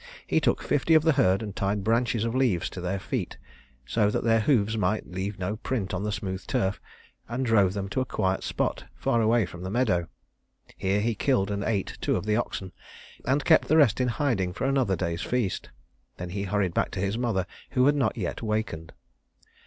He took fifty of the herd and tied branches of leaves to their feet so that their hoofs might leave no print on the smooth turf and drove them to a quiet spot far away from the meadow. Here he killed and ate two of the oxen, and kept the rest in hiding for another day's feast. Then he hurried back to his mother who had not yet wakened.